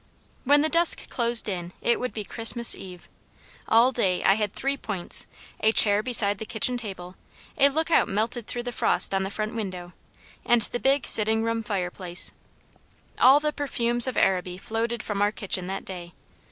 When dusk closed in it would be Christmas eve. All day I had three points a chair beside the kitchen table, a lookout melted through the frost on the front window, and the big sitting room fireplace. All the perfumes of Araby floated from our kitchen that day.